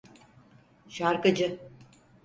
Şarkıcı.